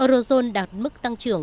eurozone đạt mức tăng trưởng bốn